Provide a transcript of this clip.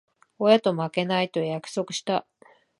親と負けない、と約束した。